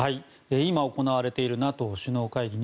今行われているＮＡＴＯ首脳会議。